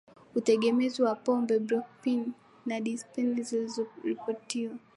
utegemezi wa pombe Bromokriptini na desipramini zimeripotiwa